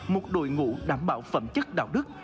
một đội ngũ đảm bảo phẩm chất đạo đức